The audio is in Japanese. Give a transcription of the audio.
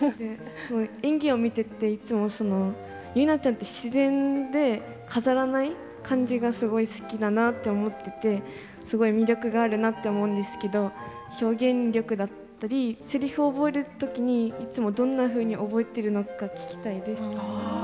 演技を見ていて結菜ちゃんは自然で飾らない感じがすごく好きだなと思っていて魅力があるなと思うんですけど表現力だったり、せりふを覚えるときにいつもどんなふうに覚えているのか聞きたいです。